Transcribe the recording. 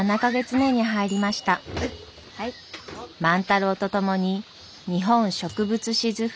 万太郎と共に「日本植物志図譜」